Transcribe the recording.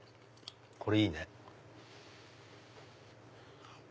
これいいね。